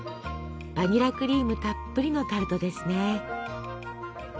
バニラクリームたっぷりのタルトですね。